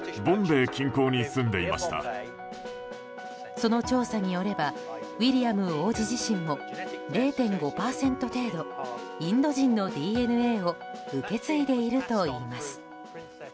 その調査によればウィリアム王子自身も０．５％程度インド人のＤＮＡを受け継いでいるといいます。